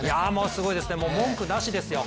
すごいですね、文句なしですよ。